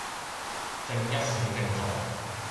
正一死剩種